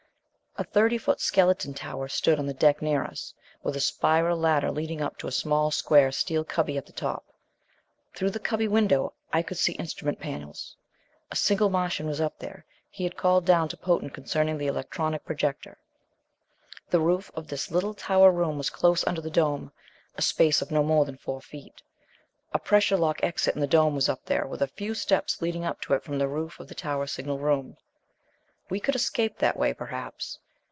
A thirty foot skeleton tower stood on the deck near us, with a spiral ladder leading up to a small, square, steel cubby at the top. Through the cubby window I could see instrument panels. A single Martian was up there; he had called down to Potan concerning the electronic projector. The roof of this little tower room was close under the dome a space of no more than four feet. A pressure lock exit in the dome was up there, with a few steps leading up to it from the roof of the tower signal room. We could escape that way, perhaps.